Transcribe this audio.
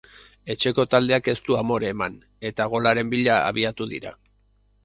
Etxeko taldeak ez du amore eman, eta golaren bila abiatu dira.